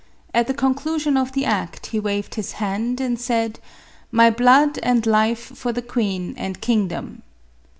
At the conclusion of the act, he waved his hand, and said, " My blood and life for the queen and king dom."